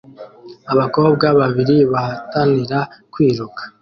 Abakobwa babiri bahatanira kwiruka